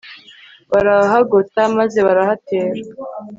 barahagota maze barahatera